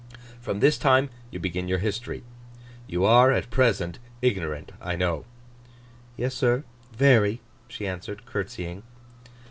From this time you begin your history. You are, at present, ignorant, I know.' 'Yes, sir, very,' she answered, curtseying.